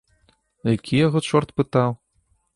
Які яго чорт пытаў?